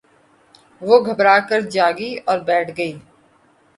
وہ گھبرا کر جاگی اور بیٹھ گئی